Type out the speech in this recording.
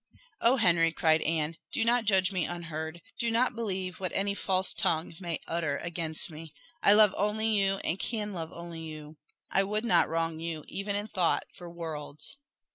"Oh, Henry!" cried Anne "do not judge me unheard do not believe what any false tongue may utter against me. I love only you and can love only you. I would not wrong you, even in thought, for worlds."